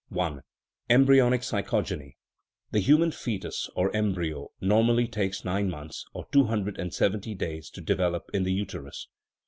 I. Embryonic Psychogeny. The human foetus, or embryo, normally takes nine months (or two hundred and seventy days) to develop in the uterus.